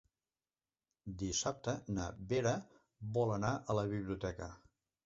Dissabte na Vera vol anar a la biblioteca.